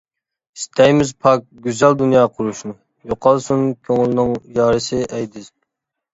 ئىستەيمىز پاك، گۈزەل دۇنيا قۇرۇشنى، يوقالسۇن كۆڭۈلنىڭ يارىسى ئەيدىز.